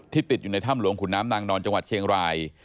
ติดอยู่ในถ้ำหลวงขุนน้ำนางนอนจังหวัดเชียงราย